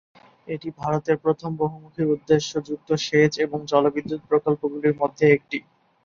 এটি ভারতের প্রথম বহুমুখী-উদ্দেশ্য যুক্ত সেচ এবং জলবিদ্যুৎ প্রকল্পগুলির মধ্যে একটি।